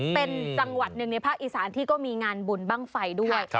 เป็นจังหวัดหนึ่งในภาคอีสานที่ก็มีงานบุญบ้างไฟด้วย